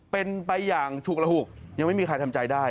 เป็นไปอย่างฉุกระหุกยังไม่มีใครทำใจได้